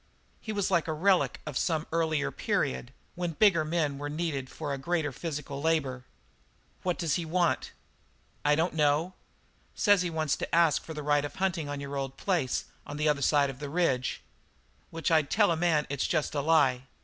He was like a relic of some earlier period when bigger men were needed for a greater physical labour. "What does he want?" "I don't know. Says he wants to ask for the right of hunting on your old place on the other side of the range. Which I'd tell a man it's jest a lie.